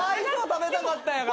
食べたかったんやから。